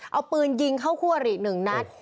เอาปืนยิงเข้าคู่อริหนึ่งนัก